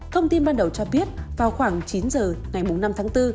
thông tin ban đầu cho biết vào khoảng chín h ngày bốn năm tháng bốn